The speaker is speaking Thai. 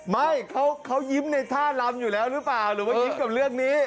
ไม่เขายิ้มในท่ารำอยู่แล้วหรือเปล่าหรือว่ายิ้มกับเรื่องนี้